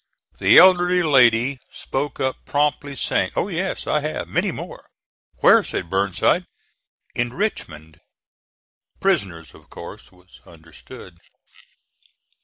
The elderly lady spoke up promptly saying, "Oh yes, I have; many more." "Where?" said Burnside. "In Richmond." Prisoners, of course, was understood.